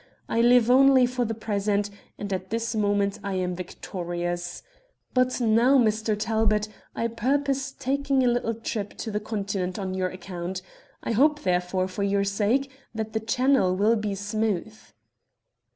I live only for the present, and at this moment I am victorious. But now, Mr. Talbot, I purpose taking a little trip to the Continent on your account. I hope, therefore, for your sake, that the Channel will be smooth.'